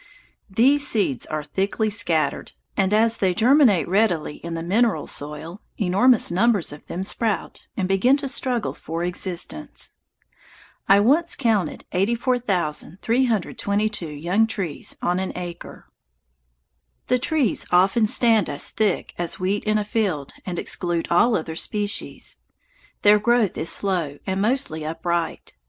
These seeds are thickly scattered, and as they germinate readily in the mineral soil, enormous numbers of them sprout and begin to struggle for existence. I once counted 84,322 young trees on an acre. The trees often stand as thick as wheat in a field and exclude all other species. Their growth is slow and mostly upright.